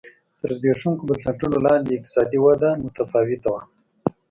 تر زبېښونکو بنسټونو لاندې اقتصادي وده متفاوته ده.